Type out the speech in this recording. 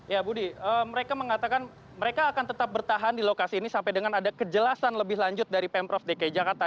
ya budi mereka mengatakan mereka akan tetap bertahan di lokasi ini sampai dengan ada kejelasan lebih lanjut dari pemprov dki jakarta